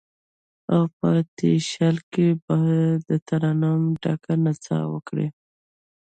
او په تشیال کې به، دترنم ډکه نڅا وکړي